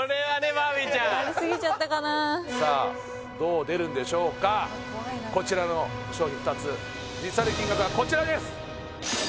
バービーちゃんやりすぎちゃったかなさあどう出るんでしょうかこちらの商品２つ実際の金額はこちらです